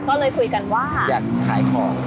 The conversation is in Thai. ก็เลยคุยกันว่าอยากขายของ